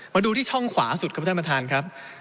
มาดูที่ช่องขวาสุดครับท่านประธานครับ